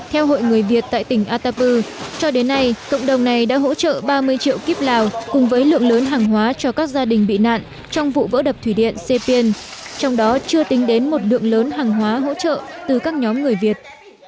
theo hội người việt tại tỉnh atapu cho đến nay cộng đồng này đã hỗ trợ ba mươi triệu kíp lào cùng với lượng lớn hàng hóa cho các gia đình bị nạn trong vụ vỡ đập thủy điện sepien trong đó chưa tính đến một lượng lớn hàng hóa hỗ trợ từ các nhóm người việt